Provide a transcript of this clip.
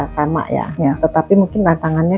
sama ya tetapi mungkin tantangannya